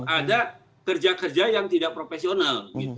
ada kerja kerja yang tidak profesional